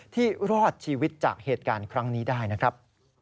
รอดชีวิตจากเหตุการณ์ครั้งนี้ได้นะครับ